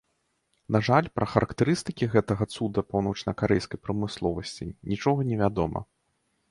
На жаль, пра характарыстыкі гэтага цуда паўночнакарэйскай прамысловасці нічога невядома.